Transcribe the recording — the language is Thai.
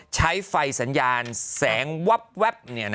ใช้ไฟสัญญาณแสงวับ